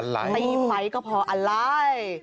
ทีไหมก็พออะไร